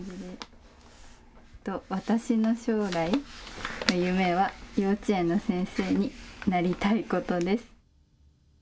私の将来の夢は幼稚園の先生になりたいことです。